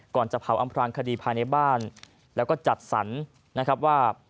ก่อนจะเผาอำพลังคดีภายในบ้านแล้วก็จัดสรรว่า